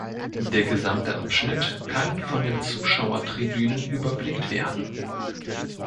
Der gesamte Abschnitt kann von den Zuschauertribünen überblickt werden.